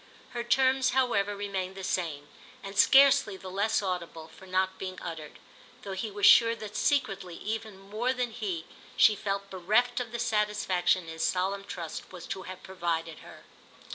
Her terms, however, remained the same, and scarcely the less audible for not being uttered; though he was sure that secretly even more than he she felt bereft of the satisfaction his solemn trust was to have provided her.